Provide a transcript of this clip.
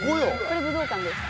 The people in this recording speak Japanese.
「これ武道館です」